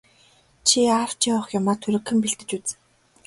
Чи авч явах юмаа түргэхэн бэлдэж үз.